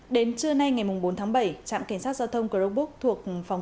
đến trưa nay ngày bốn tháng bảy trạm cảnh sát giao thông của rookbook thuộc nguyễn ngọc phương